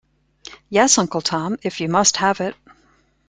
Yes, Uncle Tom, if you must have it.